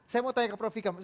saya mau tanya ke prof ikam